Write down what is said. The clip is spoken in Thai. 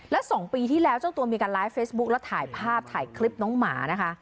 และ๒ปีที่แล้วเจ้าตัวมีการไลฟ์เฟซบุ๊คแล้วถ่ายภาพถ่ายคลิปน้องหมานะคะ